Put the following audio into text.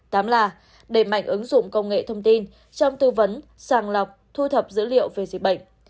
tám là đẩy mạnh ứng dụng công nghệ thông tin trong tư vấn sàng lọc thu thập dữ liệu về dịch bệnh